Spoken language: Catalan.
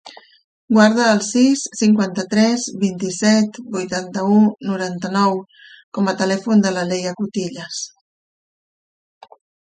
Guarda el sis, cinquanta-tres, vint-i-set, vuitanta-u, noranta-nou com a telèfon de la Leia Cutillas.